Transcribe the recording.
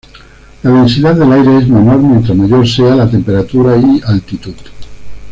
La densidad del aire es menor mientras mayor sea la temperatura y altitud.